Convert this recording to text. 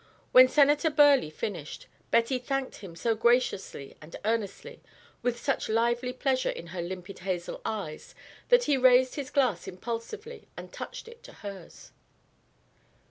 When Senator Burleigh finished, Betty thanked him so graciously and earnestly, with such lively pleasure in her limpid hazel eyes, that he raised his glass impulsively and touched it to hers.